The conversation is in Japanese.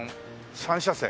３車線。